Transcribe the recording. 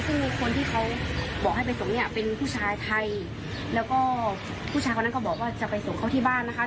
ซึ่งคนที่เขาบอกให้ไปส่งเนี่ยเป็นผู้ชายไทยแล้วก็ผู้ชายคนนั้นก็บอกว่าจะไปส่งเขาที่บ้านนะคะ